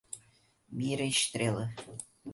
Mira Estrela